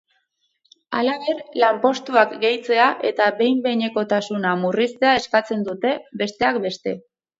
Halaber, lanpostuak gehitzea eta behin-behinekotasuna murriztea eskatzen dute, besteak beste.